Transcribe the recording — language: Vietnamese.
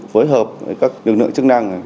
phối hợp với các lực lượng chức năng